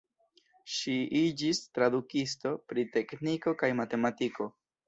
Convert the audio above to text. Ŝi iĝis tradukisto pri tekniko kaj matematiko.